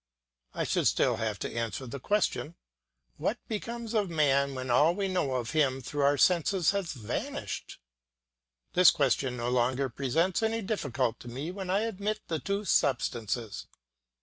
I should still have to answer the question, "What becomes of man when all we know of him through our senses has vanished?" This question no longer presents any difficulty to me when I admit the two substances.